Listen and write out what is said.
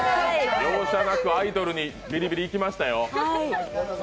容赦なくアイドルにビリビリいきましたよ。